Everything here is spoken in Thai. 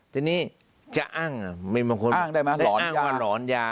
ทีนี้จะอ้างอ้างได้ไหมหลอนยา